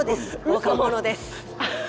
若者です。